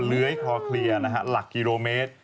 เราเคลียร์นะฮะหลักกิโลเมตร